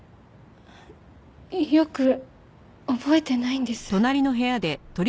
よく覚えてないんです。